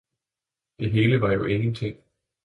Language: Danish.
det hele var jo ingenting.